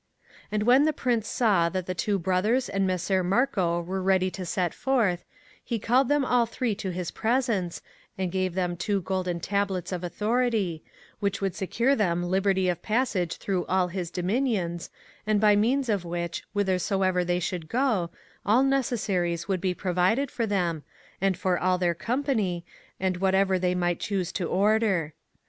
And when the Prince saw that the Two Brothers and Messer Marco were ready to set forth, he called them all three to his presence, and gave them two golden Tablets of Authority, which should secure them liberty of passage through all his dominions, and by means of which, whithersoever they should go, all necessaries would be provided for them, and for all their company, and whatever they might choose to order.